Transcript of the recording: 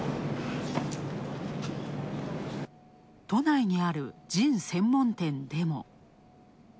都内にあるジン専門店でも。